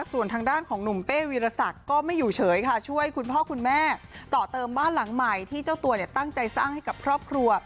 ส่วนทางด้านของหนุ่มเป้วีรศักดิ์ก็ไม่อยู่เฉยค่ะช่วยคุณพ่อคุณแม่ต่อเติมบ้านหลังใหม่ที่เจ้าตัวเนี่ยตั้งใจสร้างให้กับครอบครัว